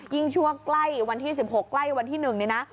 ชั่วใกล้วันที่๑๖ใกล้วันที่๑นี่นะ